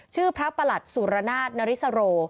ชื่อพระประหลัดสุรนาศนริสโร